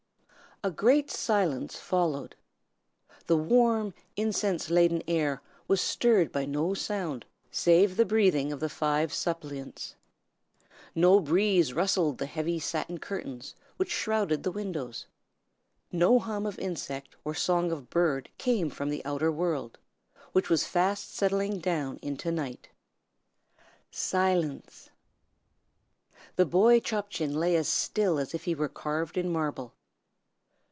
A great silence followed. The warm, incense laden air was stirred by no sound save the breathing of the five suppliants. No breeze rustled the heavy satin curtains which shrouded the windows; no hum of insect or song of bird came from the outer world, which was fast settling down into night. Silence! The boy Chop Chin lay as still as if he were carved in marble.